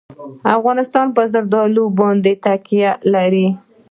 افغانستان په زردالو باندې تکیه لري.